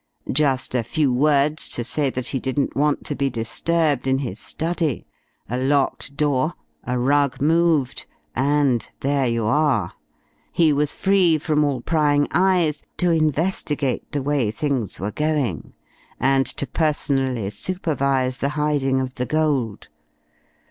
Just a few words to say that he didn't want to be disturbed in his study, a locked door, a rug moved, and there you are! He was free from all prying eyes to investigate the way things were going, and to personally supervise the hiding of the gold.